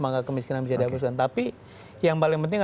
maka kemiskinan bisa dihapuskan tapi yang paling penting